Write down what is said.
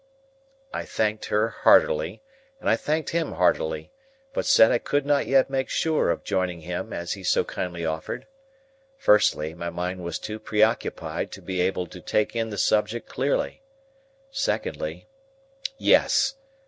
I thanked her heartily, and I thanked him heartily, but said I could not yet make sure of joining him as he so kindly offered. Firstly, my mind was too preoccupied to be able to take in the subject clearly. Secondly,—Yes!